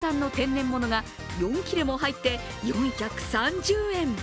千葉県産の天然物が４切れも入って４３０円。